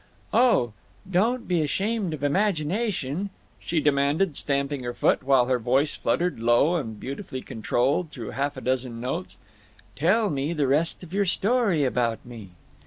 "Oh, don't be ashamed of imagination," she demanded, stamping her foot, while her voice fluttered, low and beautifully controlled, through half a dozen notes. "Tell me the rest of your story about me."